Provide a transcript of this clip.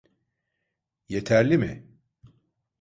Yeterli mi?